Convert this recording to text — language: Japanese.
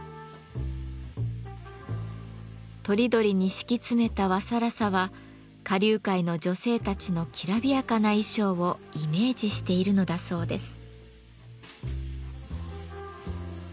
とりどりに敷き詰めた和更紗は花柳界の女性たちのきらびやかな衣装をイメージしているのだそうです。